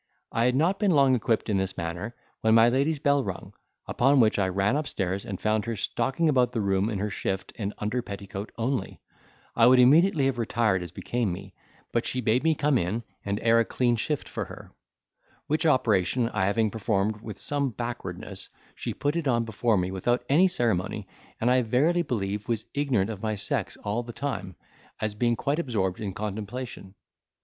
I had not been long equipped in this manner, when my lady's bell rung; upon which, I ran up stairs, and found her stalking about the room in her shift and under petticoat only; I would immediately have retired as became me, but she bade me come in, and air a clean shift for her; which operation I having performed with some backwardness, she put it on before me without any ceremony, and I verily believe was ignorant of my sex all that time, as being quite absorbed in contemplation.